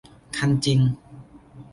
คันจริง